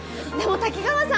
滝川さん！